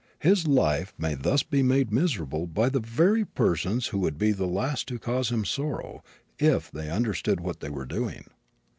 His life may thus be made miserable by the very persons who would be the last to cause him sorrow if they understood what they were doing.